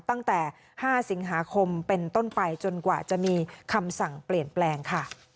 ตั้งแต่๕สิงหาคมเป็นต้นไปจนกว่าจะมีคำสั่งเปลี่ยนแปลงค่ะ